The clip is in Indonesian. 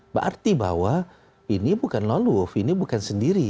berarti bahwa ini bukan lone wolf ini bukan sendiri